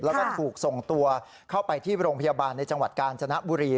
แล้วก็ถูกส่งตัวเข้าไปที่โรงพยาบาลในจังหวัดกาญจนบุรี